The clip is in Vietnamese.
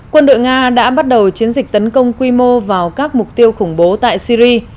quân đội nga đã bắt đầu chiến dịch tấn công quy mô vào các mục tiêu khủng bố tại syri